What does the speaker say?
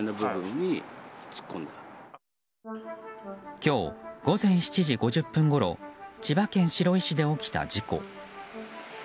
今日、午前７時５０分ごろ千葉県白井市で起きた事故。